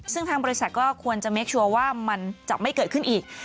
ซึ่งทางบริษัทก็ควรจะเมคชัวร์ว่ามันจะไม่เกิดขึ้นอีก